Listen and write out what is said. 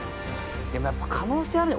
でもやっぱ可能性ある。